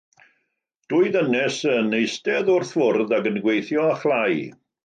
Dwy ddynes yn eistedd wrth fwrdd ac yn gweithio â chlai.